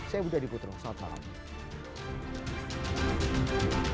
saya budha diputro salam